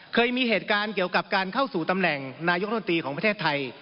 เคยมีเหตุการณ์เกี่ยวกับการเข้าสู่ตำแหน่งนายกรมนตรีของประเทศไทย